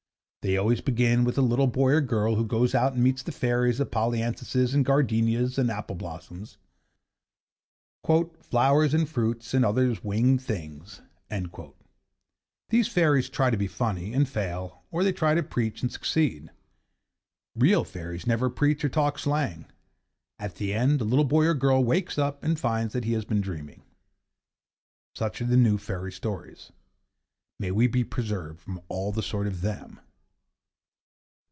They always begin with a little boy or girl who goes out and meets the fairies of polyanthuses and gardenias and apple blossoms: 'Flowers and fruits, and other winged things.' These fairies try to be funny, and fail; or they try to preach, and succeed. Real fairies never preach or talk slang. At the end, the little boy or girl wakes up and finds that he has been dreaming. Such are the new fairy stories. May we be preserved from all the sort of them!